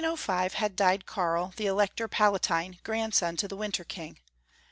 IN 1605 had died Karl, the Elector Palatine, grandson to the Winter King.